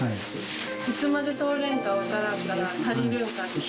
いつまで通れんか分からんから、足りるのかとか。